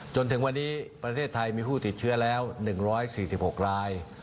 จนถึงวันนี้ประเทศไทยมีผู้ติดเชื้อแล้ว๑๔๖ราย